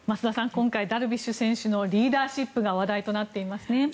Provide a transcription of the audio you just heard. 今回、ダルビッシュ選手のリーダーシップが話題となっていますね。